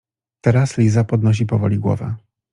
Teraz Liza podnosi powoli głowę.